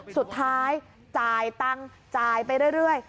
สุดท้ายจ่ายตังค์จ่ายไปเรื่อย